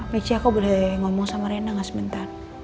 mami ci aku boleh ngomong sama rena gak sebentar